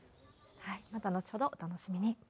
また後程、お楽しみに。